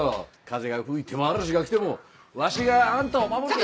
風が吹いても嵐が来てもわしがあんたを守る。